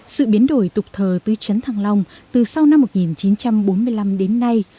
sự biến đổi tục thờ tư chấn thăng long từ sau năm một nghìn chín trăm bốn mươi năm đến nay